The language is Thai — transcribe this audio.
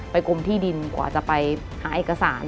กรมที่ดินกว่าจะไปหาเอกสาร